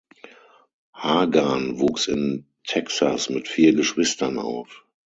Hagan wuchs in Texas mit vier Geschwistern auf.